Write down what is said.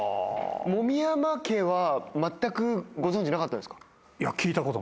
籾山家は全くご存じなかったですか？